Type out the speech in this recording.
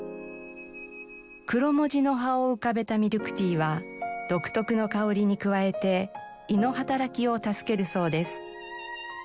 クロモジの葉を浮かべたミルクティーは独特の香りに加えて胃の働きを助けるそうです。